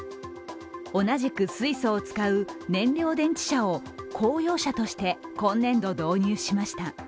同じく水素を使う燃料電池車を公用車として今年度、導入しました。